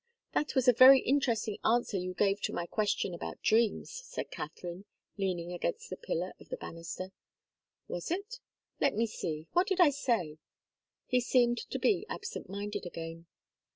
"That was a very interesting answer you gave to my question about dreams," said Katharine, leaning against the pillar of the banister. "Was it? Let me see what did I say?" He seemed to be absent minded again.